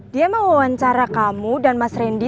dia mau wawancara kamu dan mas rendy